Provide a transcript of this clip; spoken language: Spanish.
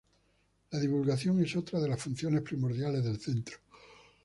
La divulgación es otra de las funciones primordiales del centro.